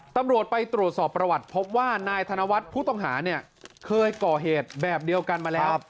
ตำรวจไปตรวจสอบประวัติพบว่านายธนวัฒน์ผู้ต้องหาเนี่ยเคยก่อเหตุแบบเดียวกันมาแล้ว